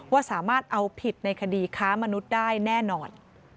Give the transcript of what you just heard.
ว่าสามารถเอาผิดในคดีค้ามนุษย์ได้แน่นอน